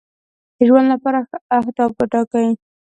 د ژوند لپاره ښه اهداف وټاکئ.